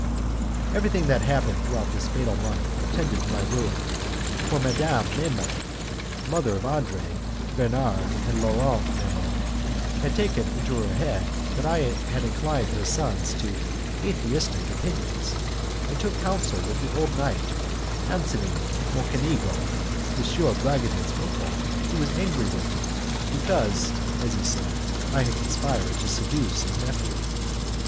Everything that happened throughout this fatal month tended to my ruin, for Madame Memmo, mother of Andre, Bernard, and Laurent Memmo, had taken it into her head that I had inclined her sons to atheistic opinions, and took counsel with the old knight Antony Mocenigo, M. de Bragadin's uncle, who was angry with me, because, as he said, I had conspired to seduce his nephew.